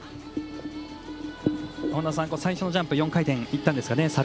本田さん、最初のジャンプ４回転いったんですがね